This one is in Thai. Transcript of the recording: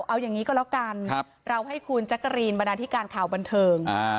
เอาอย่างนี้ก็แล้วกันเราให้คุณแจ๊กกะรีนบรรดาธิการข่าวบันเทิง